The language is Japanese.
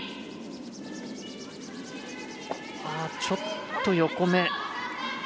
ちょっと横め。